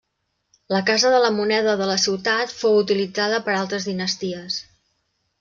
La casa de la moneda de la ciutat fou utilitzada per altres dinasties.